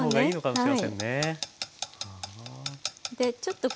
はい。